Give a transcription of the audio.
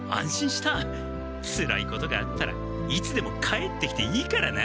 つらいことがあったらいつでも帰ってきていいからな！